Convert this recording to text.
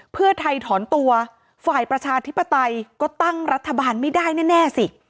เพื่อไทยถอนตัวฝ่ายประชาธิปไตยก็ตั้งรัฐบาลไม่ได้แน่สิ